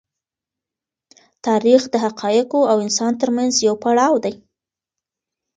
تاریخ د حقایقو او انسان تر منځ یو پړاو دی.